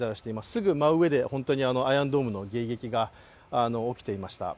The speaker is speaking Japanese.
すぐ真上でアイアンドームの迎撃が起きていました。